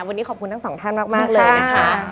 วันนี้ขอบคุณทั้งสองท่านมากเลยนะคะ